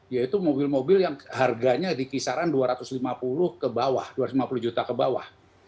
yaitu mobil mobil yang harganya di kisaran dua ratus lima puluh ke bawah